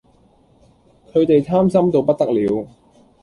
佢地貪心到不得了